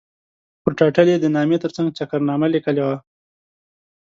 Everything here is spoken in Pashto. پر ټایټل یې د نامې ترڅنګ چکرنامه لیکلې وه.